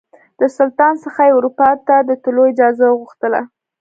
د سلطان څخه یې اروپا ته د تللو اجازه وغوښتله.